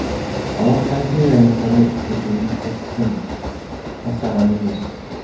Алар кайсы аймактар экенин ССМ тактаган эмес.